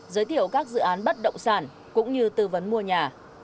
giới thiệu các dự án bất động sản cũng như tư vấn mua nhà